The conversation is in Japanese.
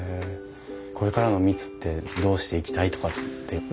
これからの三津ってどうしていきたいとかって。